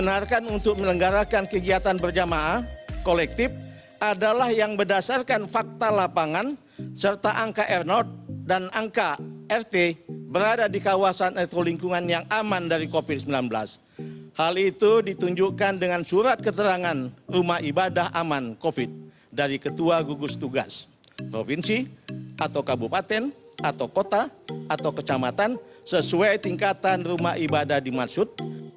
atau kecamatan sesuai tingkatan rumah ibadah dimaksud